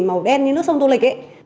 màu đen như nước sông tô lịch ấy